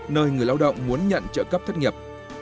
nơi người lao động muốn nhận trợ cấp thất nghiệp